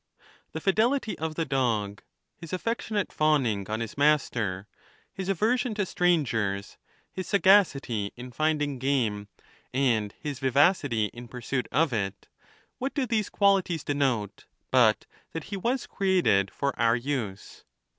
The fidelity of ~ the dog, his affectionate fawning on his master, his aver sion to strangers, his sagacity in finding game, and his vivacity in pursuit of it, what do these qualities denote but that he was created for our use?